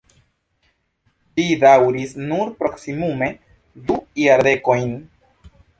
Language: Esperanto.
Ĝi daŭris nur proksimume du jardekojn.